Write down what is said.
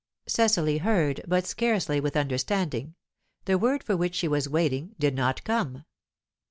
Cecily beard, but scarcely with understanding. The word for which she was waiting did not come.